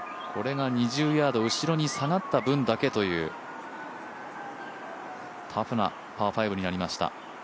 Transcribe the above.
これが２０ヤード後ろに下がった分だけというタフなパー５になりました。